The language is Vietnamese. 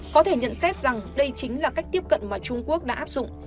có thể nhận xét rằng đây chính là cách tiếp cận mà trung quốc đã áp dụng